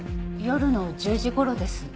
夜の１０時頃です。